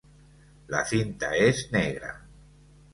La cinta es negra.